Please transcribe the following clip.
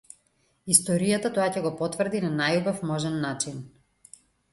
Историјата тоа ќе го потврди на најубав можен начин.